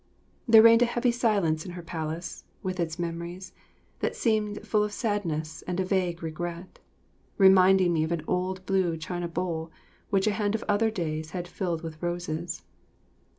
There reigned a heavy silence in her palace, with its memories, that seemed full of sadness and a vague regret, reminding me of an old blue China bowl which a hand of other days had filled with roses.